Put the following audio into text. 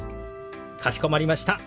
かしこまりました。